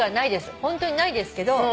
ホントにないですけど。